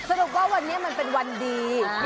สรุปว่าวันนี้มันเป็นวันดี